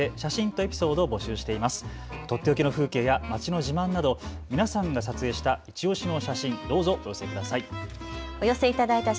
とっておきの風景や街の風景の自慢など皆さんのいちオシの写真どうぞお寄せください。